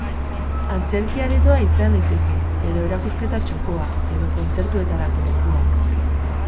Antzerki aretoa izan liteke, edo erakusketa txokoa, edo kontzertuetarako lekua.